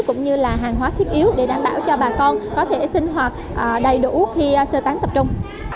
cũng như là hàng hóa thiết yếu để đảm bảo cho bà con có thể sinh hoạt đầy đủ khi sơ tán tập trung